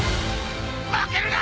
負けるな！